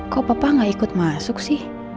kok papa gak ikut masuk sih